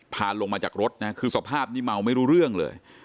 ลงมาจากรถนะคือสภาพนี้เมาไม่รู้เรื่องเลย